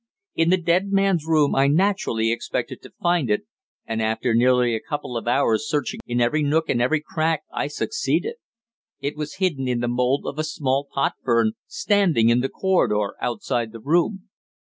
In the dead man's room I naturally expected to find it, and after nearly a couple of hours searching in every nook and every crack I succeeded. It was hidden in the mould of a small pot fern, standing in the corridor outside the room."